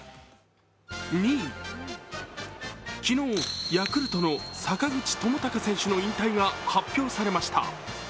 ２位、昨日ヤクルトの坂口智隆選手の引退が発表されました。